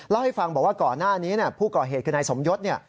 เล่าให้ฟังบอกว่าก่อนหน้านี้ผู้ก่อเหตุคือนายสมยศเนี่ย